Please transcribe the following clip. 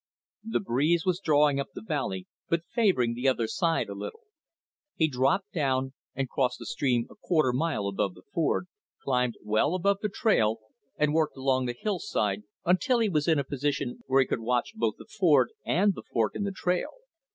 The breeze was drawing up the valley, but favoring the other side a little. He dropped down and crossed the stream a quarter mile above the ford, climbed well above the trail and worked along the hillside until he was in a position where he could watch both the ford and the fork in the trail.